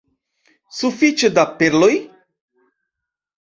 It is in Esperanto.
Sufiĉe da perloj?